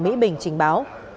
mỹ bình trình báo